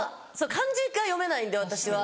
漢字が読めないんで私は。